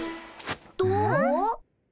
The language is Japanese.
どう？